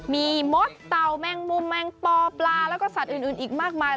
มีมดเต่าแมงมุมแมงปอปลาแล้วก็สัตว์อื่นอีกมากมาย